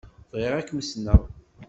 Bɣiɣ ad kem-ssneɣ.